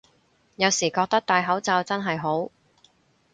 有時覺得戴口罩真係好